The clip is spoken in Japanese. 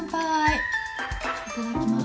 いただきます。